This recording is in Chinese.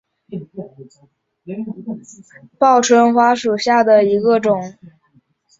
贵州卵叶报春为报春花科报春花属下的一个种。